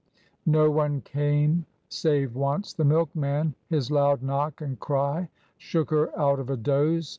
No one came, save once the milk man. His loud knock and cry shook her out of a doze.